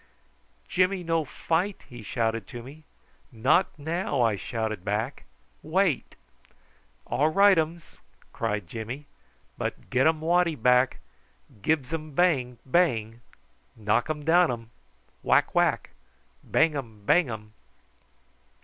"Jimmy no fight?" he shouted to me. "Not now," I shouted back. "Wait." "All rightums," cried Jimmy: "but gettum waddy back, gibs um bang, bang knockum downum whack, whack bangum, bangum!"